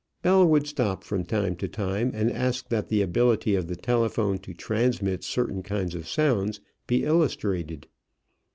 Bell would stop from time to time and ask that the ability of the telephone to transmit certain kinds of sounds be illustrated.